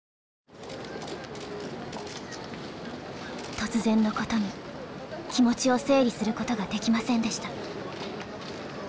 突然のことに気持ちを整理することができませんでした。